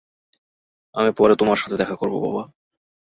আমি পরে তোমার সাথে দেখা করব, বাবা।